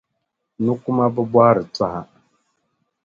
Nukuma bi bɔhiri tɔha.